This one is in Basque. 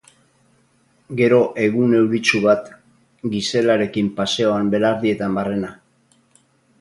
Gero egun euritsu bat, Giselarekin paseoan belardietan barrena.